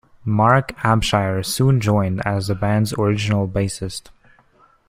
Mark Abshire soon joined as the band's original bassist.